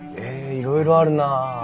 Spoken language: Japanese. いろいろあるな。